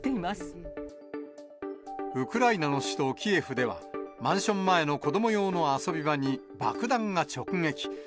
ウクライナの首都キエフでは、マンション前の子ども用の遊び場に爆弾が直撃。